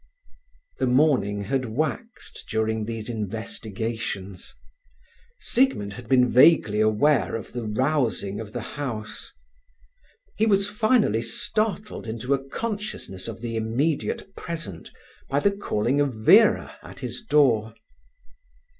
The morning had waxed during these investigations. Siegmund had been vaguely aware of the rousing of the house. He was finally startled into a consciousness of the immediate present by the calling of Vera at his door.